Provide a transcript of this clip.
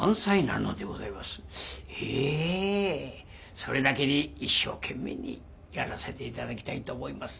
それだけに一生懸命にやらせて頂きたいと思います。